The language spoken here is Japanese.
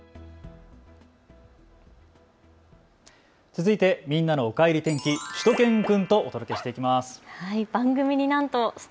続いてみんなのおかえり天気、しゅと犬くんとお届けしていきます。